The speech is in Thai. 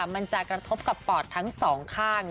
มันจะกระทบกับปอดทั้งสองข้าง